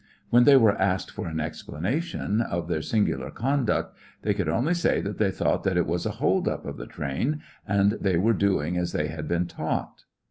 When they were asked for an explanation of their singular conduct, they could only say that they thought that it was a "hold up " of the train, and they were doing as they had been taught.